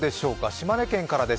島根県からです。